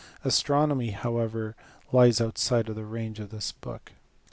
Astronomy however lies outside the range of this book.